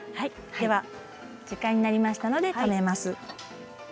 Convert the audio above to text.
では時間になりましたので止めます。